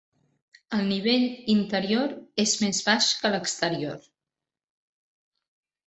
El nivell interior és més baix que l'exterior.